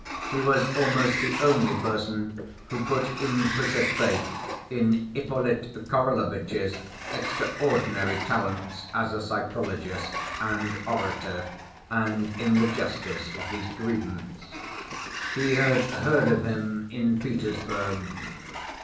He was almost the only person who put implicit faith in Ippolit Kirillovitch's extraordinary talents as a psychologist and orator and in the justice of his grievance. He had heard of him in Petersburg.